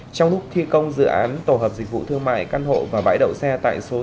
trong lúc thi công dự án tổ hợp dịch vụ thương mại căn hộ và vãi đậu xe tại số sáu mươi chín hà nội